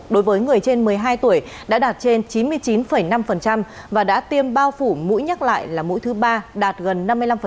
đối với người trên một mươi hai tuổi đã đạt trên chín mươi chín năm và đã tiêm bao phủ mũi nhắc lại là mũi thứ ba đạt gần năm mươi năm